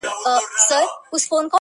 یوه قلا ده ورته یادي افسانې دي ډیري!.